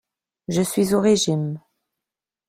Je suis au régime.